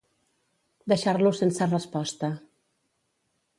Deixar-lo sense resposta.